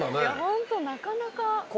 ホントなかなか。